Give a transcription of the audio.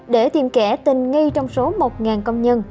để tìm kẻ tình nghi trong số một công nhân